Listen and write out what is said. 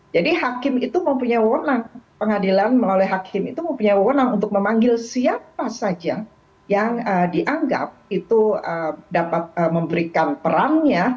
jadi hakim itu mempunyai warna pengadilan mengalami hakim itu mempunyai warna untuk memanggil siapa saja yang dianggap itu dapat memberikan perannya